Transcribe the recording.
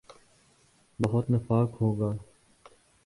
بہت نفاق ہو گا۔